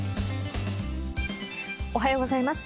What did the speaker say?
おはようございます。